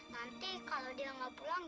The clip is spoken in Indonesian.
nanti kalau dia nggak pulang